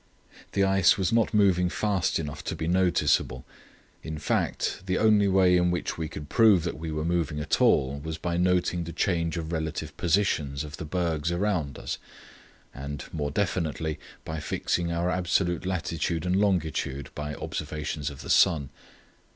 The ice was not moving fast enough to be noticeable. In fact, the only way in which we could prove that we were moving at all was by noting the change of relative positions of the bergs around us, and, more definitely, by fixing our absolute latitude and longitude by observations of the sun.